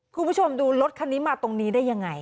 คุณผู้ชมดูรถคันนี้มาตรงนี้ได้ยังไง